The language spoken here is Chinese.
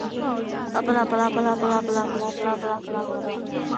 本次颁奖礼为第一届马来西亚国际电影人年展的三大重点活动之一。